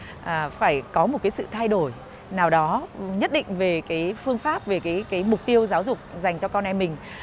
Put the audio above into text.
chúng ta phải có một cái sự thay đổi nào đó nhất định về cái phương pháp về cái mục tiêu giáo dục dành cho con em mình